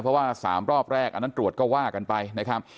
เพราะว่า๓รอบแรกอันนั้นตรวจก็ว่ากันไปนะครับ